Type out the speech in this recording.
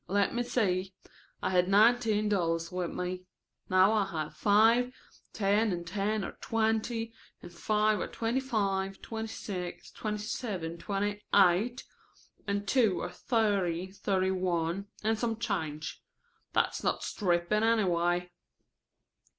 Let me see. I had nineteen dollars with me. Now I have five, ten, and ten are twenty, and five are twenty five, twenty six, twenty seven, twenty eight, and two are thirty, thirty one. And some change. That's not stripping, anyway."